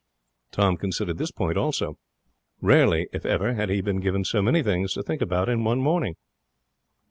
Tom considered this point also. Rarely, if ever, had he been given so many things to think about in one morning.